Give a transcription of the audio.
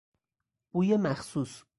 بوی مخصوص